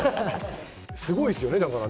すごいですよね。